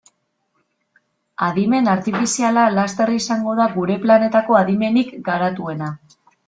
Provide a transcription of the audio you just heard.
Adimen artifiziala laster izango da gure planetako adimenik garatuena.